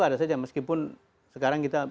ada saja meskipun sekarang kita